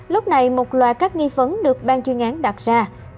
lúc này một loài các nghi phấn được ban chuyên án đặt ra